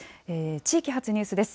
地域発ニュースです。